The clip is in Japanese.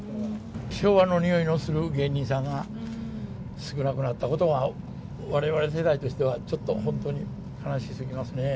昭和の匂いのする芸人さんが少なくなったことが、われわれ世代としては、ちょっと本当に悲しすぎますね。